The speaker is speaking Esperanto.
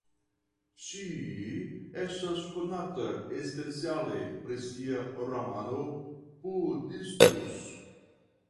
Ŝi estas konata speciale pri sia romano "Puhdistus".